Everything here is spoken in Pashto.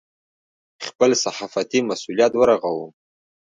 خپل صحافتي مسوولیت ورغوو.